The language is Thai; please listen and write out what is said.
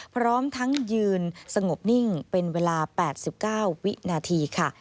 พร้อมทั้งยืนสงบนิ่งเป็นเวลา๘๙วินาทีค่ะ